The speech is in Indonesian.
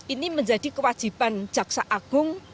ini menjadi kewajiban jaksa agung